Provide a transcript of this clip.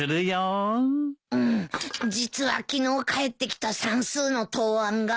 実は昨日返ってきた算数の答案が。